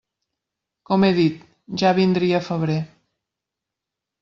Com he dit: ja vindria febrer.